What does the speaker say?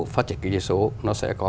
phát triển kinh tế số nó sẽ có